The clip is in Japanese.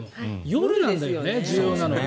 夜なんだよね、重要なのは。